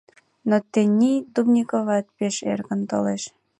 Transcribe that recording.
Но тений Дубниковат пеш эркын толеш.